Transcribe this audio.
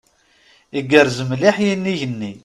Igerrez mliḥ yinig-nni.